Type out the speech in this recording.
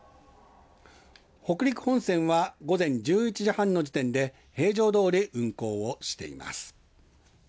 北陸本線は午前１１時半の時点で平常通り運航をしています。